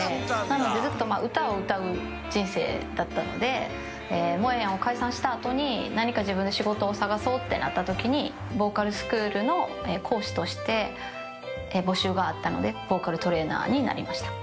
なのでずっとまあ歌を歌う人生だったのでモエヤンを解散したあとに何か自分で仕事を探そうってなった時にボーカルスクールの講師として募集があったのでボーカルトレーナーになりました。